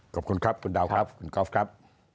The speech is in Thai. ขอบคุณครับคุณดาวครับคุณกอล์ฟครับ